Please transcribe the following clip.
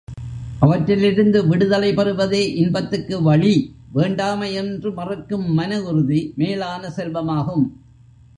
அவற்றிலிருந்து விடுதலை பெறுவதே இன்பத்துக்கு வழி வேண்டாமை என்று மறுக்கும் மன உறுதி மேலான செல்வமாகும்.